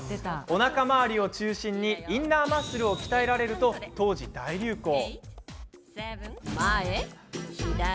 おなか回りを中心にインナーマッスルを鍛えられると当時、大流行。